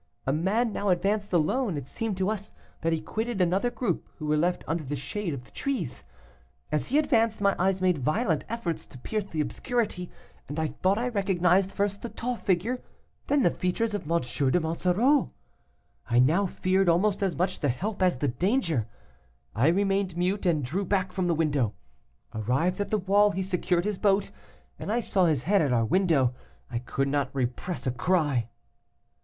A man now advanced alone: it seemed to us that he quitted another group who were left under the shade of the trees. As he advanced, my eyes made violent efforts to pierce the obscurity, and I thought I recognized first the tall figure, then the features, of M. de Monsoreau. I now feared almost as much the help as the danger. I remained mute, and drew back from the window. Arrived at the wall, he secured his boat, and I saw his head at our window. I could not repress a cry.